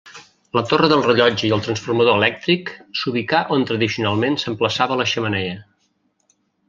La torre del rellotge i el transformador elèctric s'ubicà on tradicionalment s'emplaçava la xemeneia.